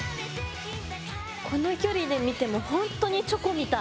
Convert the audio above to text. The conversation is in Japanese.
この距離で見てもほんとにチョコみたい。